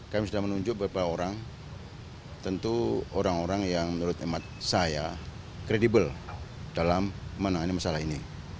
kami sudah menunjuk beberapa orang tentu orang orang yang menurut emat saya kredibel dalam menangani masalah ini